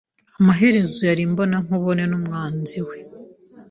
Amaherezo yari imbonankubone n'umwanzi we.